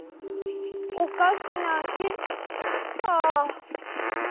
「おかしなじ」か。